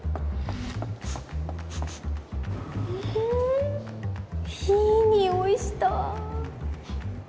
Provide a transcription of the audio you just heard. んいい匂いした。